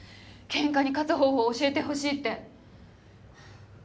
喧嘩に勝つ方法を教えてほしいって。